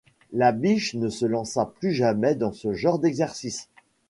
Labiche ne se lança plus jamais dans ce genre d'exercice.